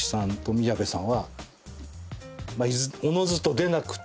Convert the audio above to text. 宮部さん